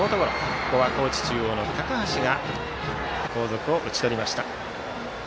ここは高知中央の高橋が後続を打ち取りました。